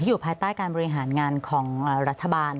อยู่ภายใต้การบริหารงานของรัฐบาล